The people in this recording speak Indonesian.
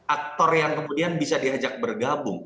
aktor yang kemudian bisa diajak bergabung